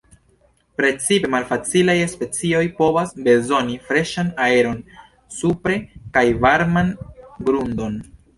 Precipe malfacilaj specioj povas bezoni freŝan aeron supre kaj varman grundon.